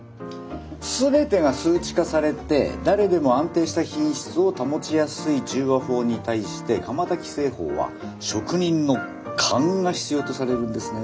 全てが数値化されて誰でも安定した品質を保ちやすい中和法に対して窯焚き製法は職人の勘が必要とされるんですね。